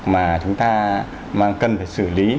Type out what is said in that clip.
mà chúng ta cần phải xử lý